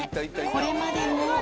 これまでも。